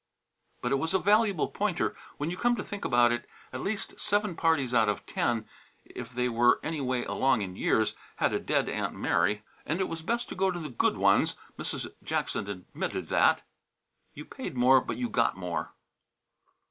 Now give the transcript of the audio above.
But it was a valuable pointer. When you come to think about it, at least seven parties out of ten, if they were any way along in years, had a dead Aunt Mary. And it was best to go to the good ones. Mrs. Jackson admitted that. You paid more, but you got more.